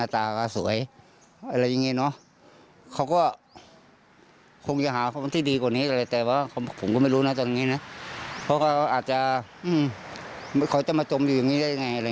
แต่ว่าเดี่ยวก็ไม่รู้เนี่ย